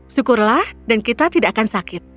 syukurlah dan kita tidak akan sakit